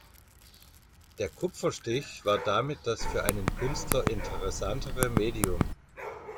Der Kupferstich war damit das für einen Künstler interessantere Medium.